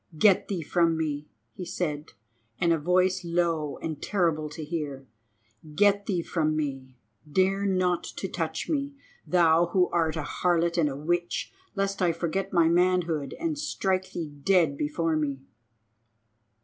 "Get thee from me!" he said, in a voice low and terrible to hear; "get thee from me. Dare not to touch me, thou, who art a harlot and a witch, lest I forget my manhood and strike thee dead before me."